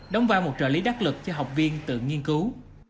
đóng vai một trợ lý đắc lực cho học viên tự nghiên cứu